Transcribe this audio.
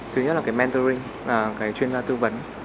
thứ nhất là cái mentoring là cái chuyên gia tư vấn